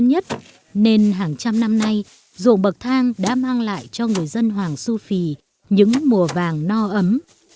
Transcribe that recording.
nhiều nhất nên hàng trăm năm nay ruộng bậc thang đã mang lại cho người dân hoàng su phi những mùa vàng no ấm